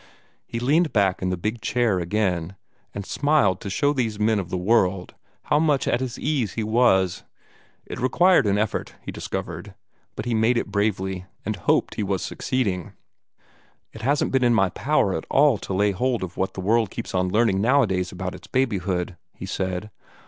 He leaned back in the big chair again, and smiled to show these men of the world how much at his ease he was. It required an effort, he discovered, but he made it bravely, and hoped he was succeeding. "It hasn't been in my power to at all lay hold of what the world keeps on learning nowadays about its babyhood," he said.